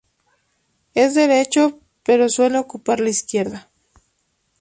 Es derecho, pero suele ocupar la izquierda.